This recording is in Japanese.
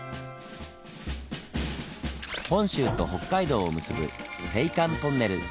本州と北海道を結ぶ青函トンネル。